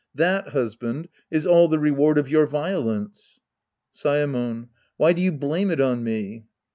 That, husband, is all the reward of your violence. Saemon. Why do you blame it on me